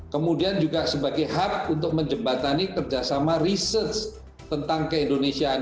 kemudian juga sebagai hub untuk menjembatani kerjasama research tentang keindonesiaan